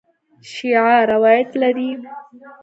شیعه روایت لري.